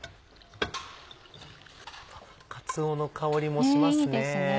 かつおの香りもしますね。